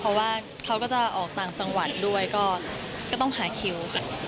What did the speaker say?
เพราะว่าเขาก็จะออกต่างจังหวัดด้วยก็ต้องหาคิวค่ะ